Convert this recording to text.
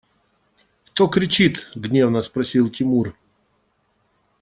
– Кто кричит? – гневно спросил Тимур.